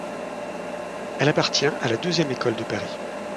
Elle appartient à la deuxième École de Paris.